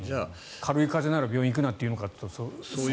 軽い風邪なら病院に行くなっていうのかというと。